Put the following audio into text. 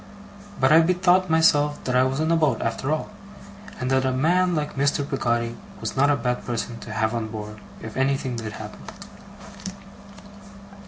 But I bethought myself that I was in a boat, after all; and that a man like Mr. Peggotty was not a bad person to have on board if anything did happen.